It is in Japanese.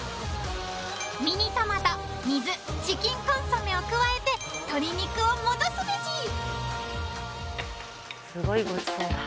ミニトマト水チキンコンソメを加えて鶏肉を戻すベジすごいごちそうだ。